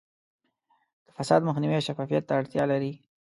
د فساد مخنیوی شفافیت ته اړتیا لري.